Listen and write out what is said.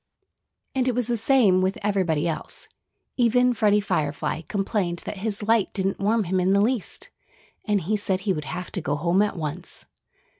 And it was the same with everybody else. Even Freddie Firefly complained that his light didn't warm him in the least. And he said he would have to go home at once.